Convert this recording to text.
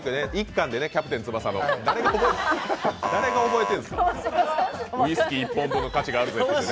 日韓でね、「キャプテン翼」の誰が覚えてるんですか。